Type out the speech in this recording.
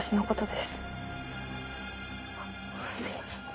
すいません。